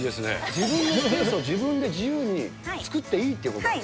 自分のスペースを自分で自由に作っていいってことですか。